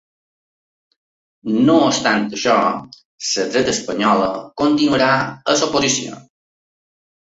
No obstant això, la dreta espanyola continuarà a l’oposició.